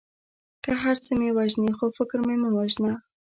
که هر څه مې وژنې خو فکر مې مه وژنه.